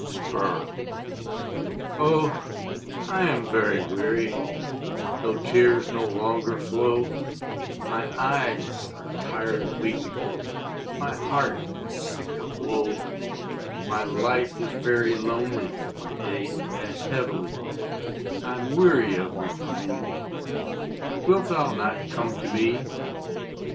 APPEAL. Oh, I am very weary, Though tears no longer flow; My eyes are tired of weeping, My heart is sick of woe; My life is very lonely My days pass heavily, I'm weary of repining; Wilt thou not come to me?